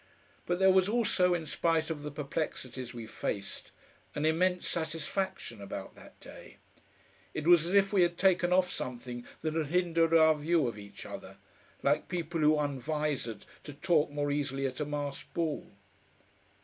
But there was also, in spite of the perplexities we faced, an immense satisfaction about that day. It was as if we had taken off something that had hindered our view of each other, like people who unvizored to talk more easily at a masked ball.